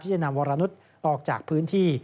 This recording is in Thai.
จะนำวรนุษย์ออกจากพื้นที่